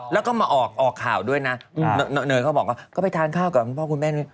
แล้วก็มาออกข่าวด้วยนะเนยเขาบอกว่าก็ไปทานข้าวกับคุณพ่อคุณแม่